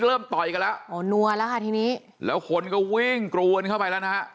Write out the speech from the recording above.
ต่อยกันแล้วโอ้นัวแล้วค่ะทีนี้แล้วคนก็วิ่งกรูกันเข้าไปแล้วนะฮะ